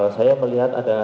saya melihat ada